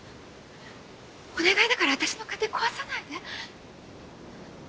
お願いだから私の家庭壊さないで。